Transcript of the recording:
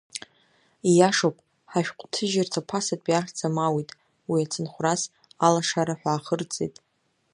Ииашоуп, ҳашәҟәҭыжьырҭа ԥасатәи ахьӡ амауит, уи ацынхәрас Алашара ҳәа ахырҵеит.